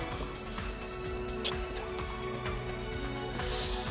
ちょっと。